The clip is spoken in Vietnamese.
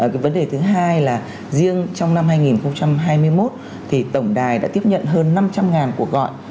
cái vấn đề thứ hai là riêng trong năm hai nghìn hai mươi một thì tổng đài đã tiếp nhận hơn năm trăm linh cuộc gọi